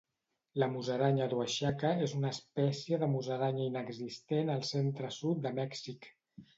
La musaranya d'Oaxaca és una espècie de musaranya inexistent al centre-sud de Mèxic.